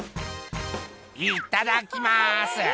「いっただっきます」